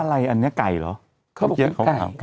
อะไรอันนี้ไก่เหรอ